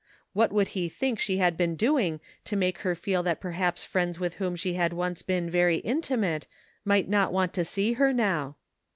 What would he think she had been doing to make her feel that perhaps friends with whom she had once been very intimate might not want to see her now?